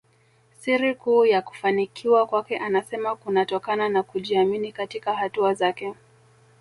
Siri kuu ya kufanikiwa kwake anasema kunatokana na kujiamini katika hatua zake